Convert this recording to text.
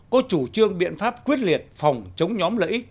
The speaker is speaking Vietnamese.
có chủ trương biện pháp quyết liệt phòng chống nhóm lợi ích